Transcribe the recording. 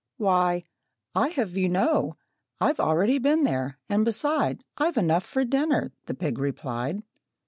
"Why, I'd have you know I've already been there, and beside I've enough for dinner," the pig replied.